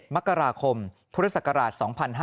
๗มกราคมธุรกิจศักราช๒๕๖๖